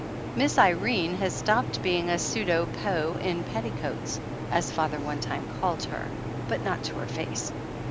Miss Irene has stopped being a "pseudo Foe in petticoats," as father one time called her, but not to her face.